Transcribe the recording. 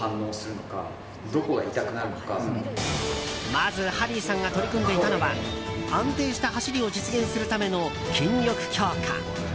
まずハリーさんが取り組んでいたのは安定した走りを実現するための筋力強化。